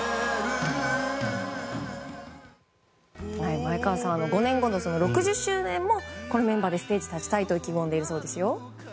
前川さんは５年後の６０周年もこのメンバーでステージに立ちたいと意気込んでいるようですよ。